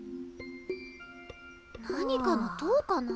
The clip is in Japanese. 何かの塔かな？